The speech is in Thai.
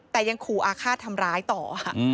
แต่ยังขู่อาฆาตทำร้ายต่อค่ะ